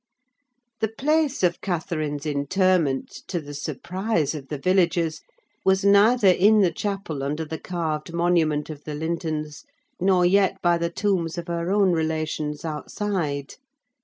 The place of Catherine's interment, to the surprise of the villagers, was neither in the chapel under the carved monument of the Lintons, nor yet by the tombs of her own relations, outside.